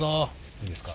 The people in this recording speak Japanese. いいですか？